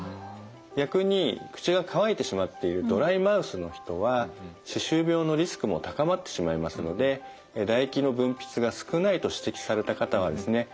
逆に口が乾いてしまっているドライマウスの人は歯周病のリスクも高まってしまいますので唾液の分泌が少ないと指摘された方はですね